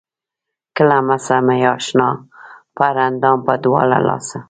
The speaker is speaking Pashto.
کړه مسحه مې اشنا پۀ هر اندام پۀ دواړه لاسه